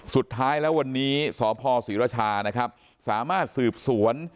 สุดท้ายแล้ววันนี้สพศรีรชานะครับสามารถสืบสวน